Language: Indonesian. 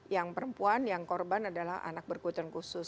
yang perempuan yang korban adalah anak berkebutuhan khusus